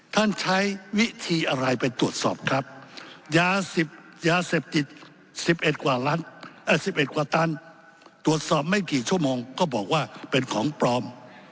ใช้วิธีอะไรไปตรวจสอบครับยา๑๐ยาเสพติด๑๑กว่าตันตรวจสอบไม่กี่ชั่วโมงก็บอกว่าเป็นของปลอม